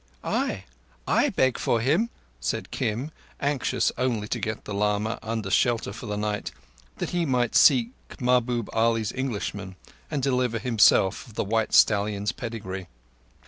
"Ay, I beg for him," said Kim, anxious only to get the lama under shelter for the night, that he might seek Mahbub Ali's Englishman and deliver himself of the white stallion's pedigree.